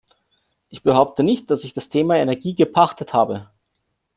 Ich behaupte nicht, dass ich das Thema Energie gepachtet habe.